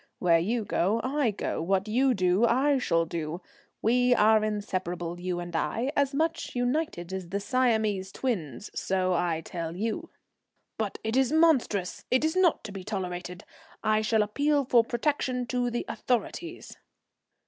Where you go, I go; what you do, I shall do. We are inseparables, you and I, as much united as the Siamese twins. So I tell you." "But it's monstrous, it's not to be tolerated. I shall appeal for protection to the authorities."